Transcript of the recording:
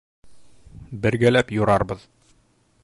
Бергәләп юрарбыҙ.